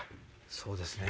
そうですね。